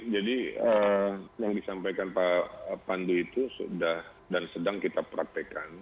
jadi yang disampaikan pak pandu itu sudah dan sedang kita praktekkan